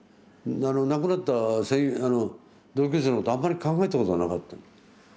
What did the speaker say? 亡くなった同級生のことあんまり考えたことがなかったの。